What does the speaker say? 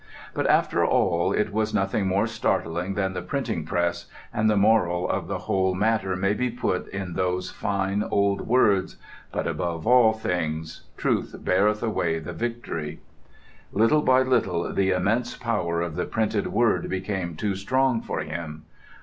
But after all it was nothing more startling than the printing press and the moral of the whole matter may be put in those fine old words, "But above all things, truth beareth away the victory." Little by little, the immense power of the printed word became too strong for him.